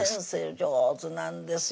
上手なんですよ